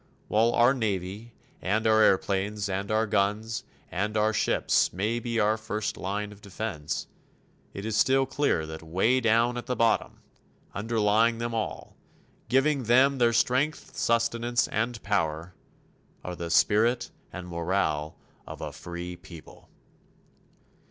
While our Navy and our airplanes and our guns and our ships may be our first line of defense, it is still clear that way down at the bottom, underlying them all, giving them their strength, sustenance and power, are the spirit and morale of a free people.